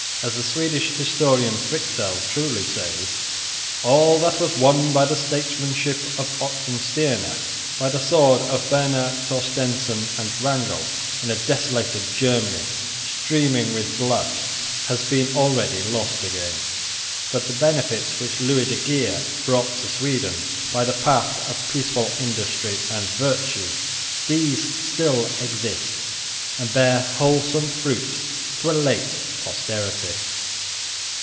As the Swedish historian Fryxell truly says, "all that was won by the statesmanship of Oxenstierna, by the sword of Baner, Torstensson and Wrangel, in a desolated Germany streaming with blood, has been already lost again; but the benefits which Louis de Geer brought to Sweden, by the path of peaceful industry and virtue, these still exist, and bear wholesome fruit to a late posterity."